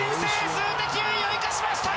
数的優位を生かしました！